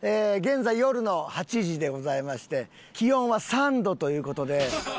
現在夜の８時でございまして気温は３度という事で。